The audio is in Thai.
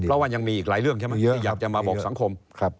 เพราะว่ายังมีอีกหลายเรื่องใช่มั้ย